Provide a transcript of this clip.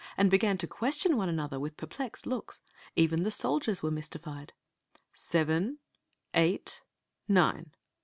and began to question one another with perplexed looks. Even the soldiers were mystified. "Seven, eight, nine!"